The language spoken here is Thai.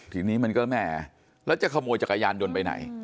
ทีนี้มันก็แหมแล้วจะขโมยจักรยานยนต์ไปไหน